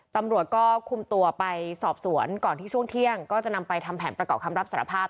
ตำรวจก็คุมตัวไปสอบสวนก่อนที่ช่วงเที่ยงก็จะนำไปทำแผนประกอบคำรับสารภาพ